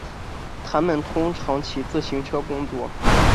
他们通常骑自行车工作。